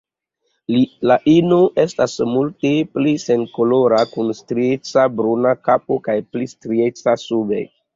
La ino estas multe pli senkolora, kun strieca bruna kapo kaj pli strieca sube.